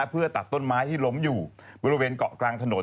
เพื่อตัดต้นไม้ที่ล้มอยู่บริเวณเกาะกลางถนน